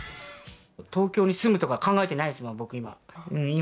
東京に住むとか考えてないです、僕、今。